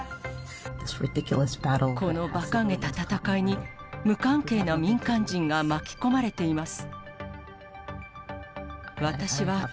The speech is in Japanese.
このばかげた戦いに、無関係な民間人が巻き込まれています。